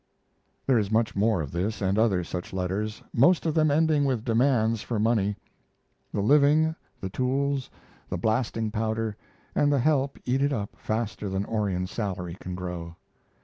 There is much more of this, and other such letters, most of them ending with demands for money. The living, the tools, the blasting powder, and the help eat it up faster than Orion's salary can grow.